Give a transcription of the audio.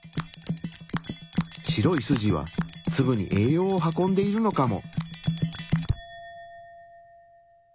白い筋はツブに栄養を運んでいるのかも。